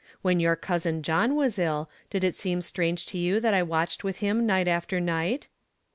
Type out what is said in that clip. When your cousin John was ill, did it seem strange to you that I watched with him night after night?"